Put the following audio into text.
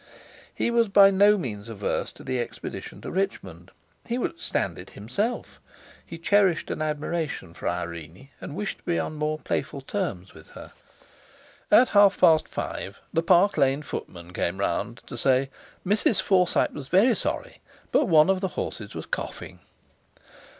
He was by no means averse to the expedition to Richmond. He would "stand" it himself! He cherished an admiration for Irene, and wished to be on more playful terms with her. At half past five the Park Lane footman came round to say: Mrs. Forsyte was very sorry, but one of the horses was coughing!